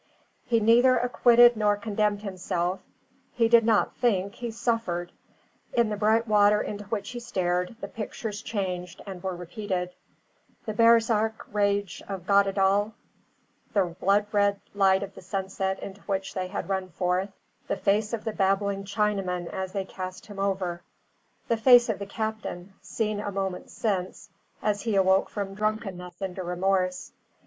He neither acquitted nor condemned himself: he did not think, he suffered. In the bright water into which he stared, the pictures changed and were repeated: the baresark rage of Goddedaal; the blood red light of the sunset into which they had run forth; the face of the babbling Chinaman as they cast him over; the face of the captain, seen a moment since, as he awoke from drunkenness into remorse.